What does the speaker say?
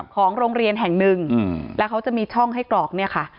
ของโรงเรียนแห่งหนึ่งแล้วเขาจะมีช่องให้กรอกเนี่ยค่ะ